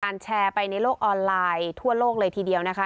แชร์ไปในโลกออนไลน์ทั่วโลกเลยทีเดียวนะคะ